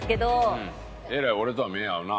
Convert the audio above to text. えらい俺とは目合うな。